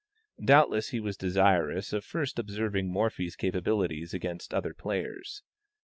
Doubtless he was desirous of first observing Morphy's capabilities against other players.